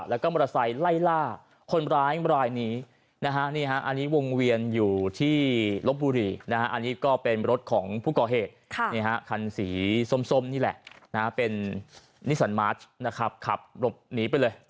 และก็มอเตอร์ไซด์ไล่ล่าคนร้ายบรรยานี้